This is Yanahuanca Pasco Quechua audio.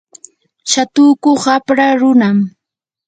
shatuku qapra runam.